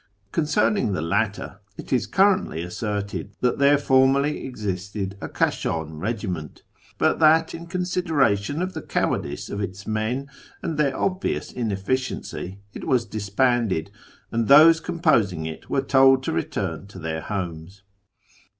I Concerning the latter, it is currently asserted that there j tormerly existed a Kashan regiment, but that, in consideration 174 A YEAR AMONGST THE PERSIANS of tlio cowardice of its men, and their obvious inelliciency, it was dislnuided, and those composing it were tohl lo return to their liomes.